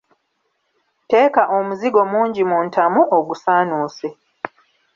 Tteeka omuzigo mungi mu ntamu ogusaanuuse.